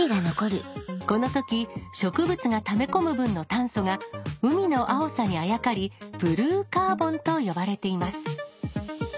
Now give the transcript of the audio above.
この時植物がため込む分の炭素が海の青さにあやかりブルーカーボンと呼ばれています。